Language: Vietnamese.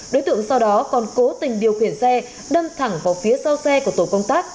đối tượng sau đó còn cố tình điều khiển xe đâm thẳng vào phía sau xe của tổ công tác